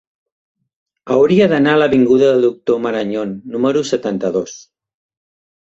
Hauria d'anar a l'avinguda del Doctor Marañón número setanta-dos.